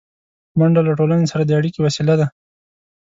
منډه له ټولنې سره د اړیکې وسیله ده